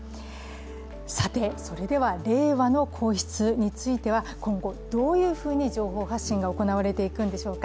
さて、それでは令和の皇室については今後、どういうふうに情報発信が行われていくんでしょうか。